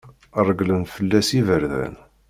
Reglen fell-as yiberdan.